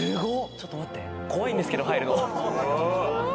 ちょっと待って怖いんですけど入るの。